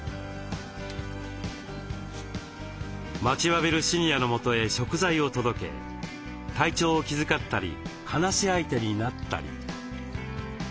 待ちわびるシニアのもとへ食材を届け体調を気遣ったり話し相手になったり。